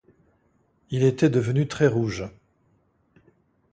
Il était devenu très-rouge.